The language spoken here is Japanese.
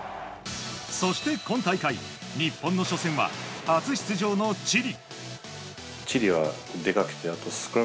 そして今大会、日本の初戦は初出場のチリ。